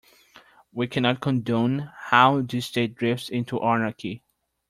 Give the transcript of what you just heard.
We cannot condone how the state drifts into anarchy.